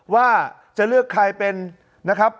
ว่าจะเลือกใครเป็นนะครับ